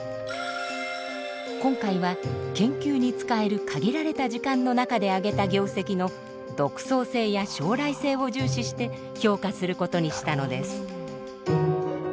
今回は研究に使える限られた時間の中であげた業績の独創性や将来性を重視して評価することにしたのです。